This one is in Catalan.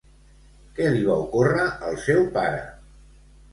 Què li va ocórrer al seu pare?